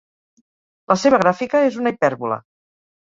La seva gràfica és una hipèrbola.